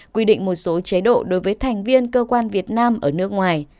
quy định một số chế độ đối với thành viên cơ quan việt nam ở nước ngoài